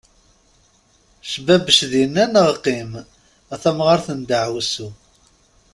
Cbebec dinna neɣ qim, a tamɣaṛt n daɛwessu!